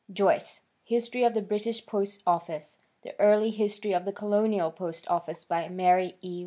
Joyce "History of the British Post Office; The Early History of the Colonial Post Office by Mary E.